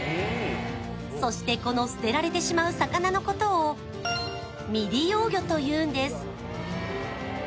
そしてこの捨てられてしまう魚のことを未利用魚というんです。